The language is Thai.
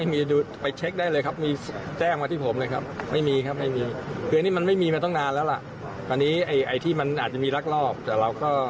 เมอร์หนึ่งของจังหวัดผู้การ